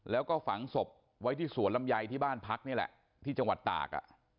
แล้วก็ฝังศพไว้ที่สวนลำไยที่บ้านพักนี่แหละที่จังหวัดตาก